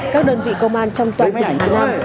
các đơn vị công an trong toàn tỉnh nam